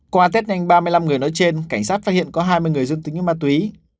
qua test nhanh ba mươi năm người nói trên cảnh sát phát hiện có hai mươi người dương tính với ma túy